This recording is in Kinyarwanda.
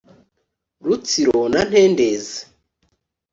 Rutsiro na Ntendezi